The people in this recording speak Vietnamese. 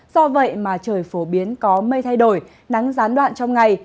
do vậy mà trời phổ biến có mây thay đổi nắng gián đoạn trong ngày